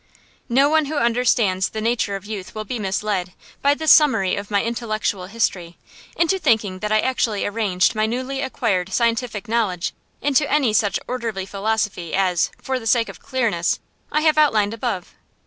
No one who understands the nature of youth will be misled, by this summary of my intellectual history, into thinking that I actually arranged my newly acquired scientific knowledge into any such orderly philosophy as, for the sake of clearness, I have outlined above.